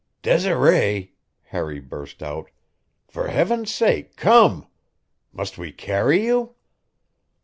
"Desiree," Harry burst out, "for Heaven's sake, come! Must we carry you?"